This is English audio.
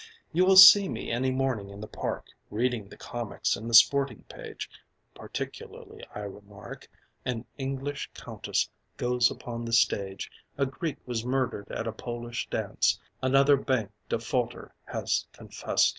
You will see me any morning in the park Reading the comics and the sporting page. Particularly I remark An English countess goes upon the stage. A Greek was murdered at a Polish dance, Another bank defaulter has confessed.